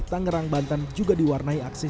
tangerang banten juga diwarnai aksi